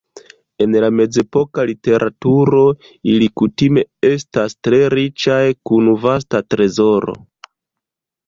En la mezepoka literaturo, ili kutime estas tre riĉaj kun vasta trezoro.